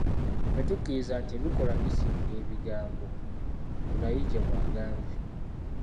"Ffe tukkiriza nti ebikolwa bisinga ebigambo.” Kulayigye bw'agambye.